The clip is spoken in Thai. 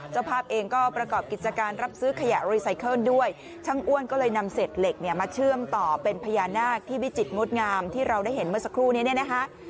เจ้าภาพเองก็ประกอบกิจการรับซื้อขยะรีไซเคิลด้วยช่างอ้วนก็เลยนำเศษเหล็กเนี่ยมาเชื่อมต่อเป็นพญานาคที่วิจิตรงดงามที่เราได้เห็นเมื่อสักครู่นี้เนี่ยนะคะ